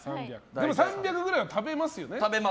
でも３００は食べますよね